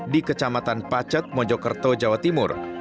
di kecamatan pacet mojokerto jawa timur